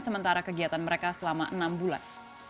sementara kegiatan mereka selama enam bulan